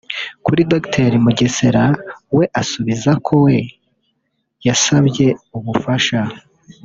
Kuri Dr Mugesera we asubiza ko we yasabye ubufasha